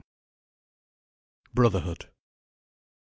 BROTHERHOOD.